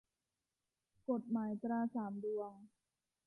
กฎหมายตราสามดวง